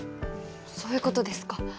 そういうことですか。